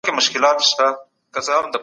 په منځنۍ پېړۍ کي د بیان ازادي بیخي نه وه.